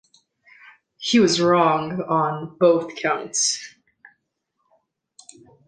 He was wrong on both counts.